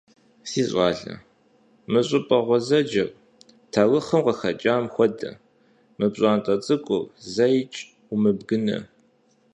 Си щӀалэ, мы щӀыпӀэ гъуэзэджэр, таурыхъым къыхэкӀам хуэдэ мы пщӀантӀэ цӀыкӀур зэикӀ умыбгынэ.